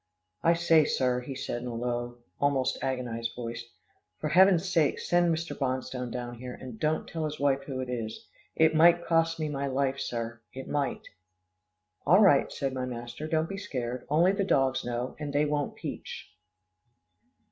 "I say, sir," he said in a low, almost agonised voice, "for heaven's sake send Mr. Bonstone down here, and don't tell his wife who it is it might cost me my life, sir it might." "All right," said my master, "don't be scared. Only the dogs know, and they won't peach."